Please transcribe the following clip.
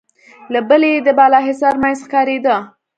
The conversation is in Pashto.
له بلې يې د بالاحصار مينځ ښکارېده.